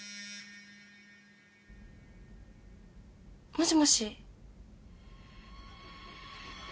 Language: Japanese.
もしもし。